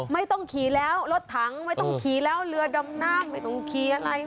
ไม่ต้องขี่แล้วรถถังไม่ต้องขี่แล้วเรือดำน้ำไม่ต้องขี่อะไร